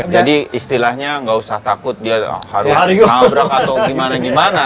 jadi istilahnya nggak usah takut dia harus kabrak atau gimana gimana